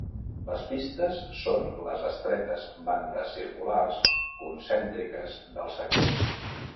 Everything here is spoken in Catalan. Les pistes són les estretes bandes circulars concèntriques dels sectors.